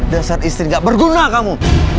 dasar istri gak berguna kamu